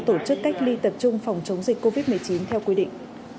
tổ chức cách ly tập trung phòng chống dịch covid một mươi chín theo quy định